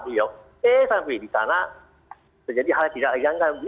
beliau eh sampai di sana terjadi hal yang tidak dianggap